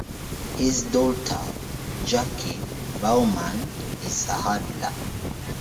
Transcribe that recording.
His daughter, Jackie Baumann, is a hurdler.